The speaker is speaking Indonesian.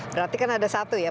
berarti kan ada satu ya